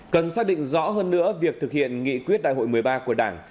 cần xác định rõ hơn nữa việc thực hiện nghị quyết đại hội một mươi ba của đảng